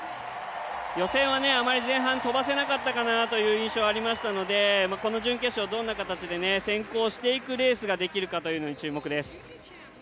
予選はあまり前半飛ばせなかったかなという印象がありましたのでこの準決勝、どんな形で先行していくレースができるかに注目です。